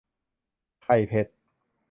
ไข่เผ็ด